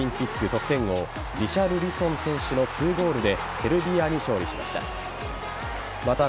得点王リシャルリソン選手の２ゴールでセルビアに勝利しました。